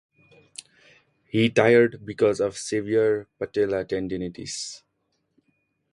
He retired because of severe patella tendinitis.